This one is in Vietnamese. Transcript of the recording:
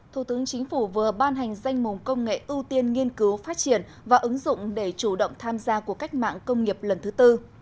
thủ tướng chính phủ vừa ban hành danh mục công nghệ ưu tiên nghiên cứu phát triển và ứng dụng để chủ động tham gia cuộc cách mạng công nghiệp lần thứ tư